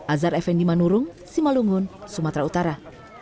azhar effendi manurung simalungun sumatera utara